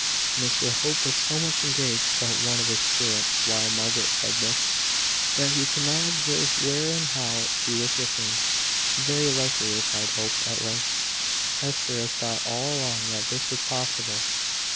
Mr Hope was so much engaged about one of his stirrups while Margaret said this, that he could not observe where and how she was looking. "Very likely," replied Hope, at length. "Hester has thought all along that this was possible.